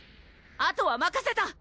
あとはまかせた！